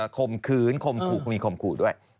คมคื้นมีคมคูด้วย